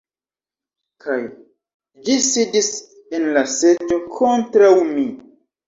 Kaj, ĝi sidis en la seĝo kontraŭ mi.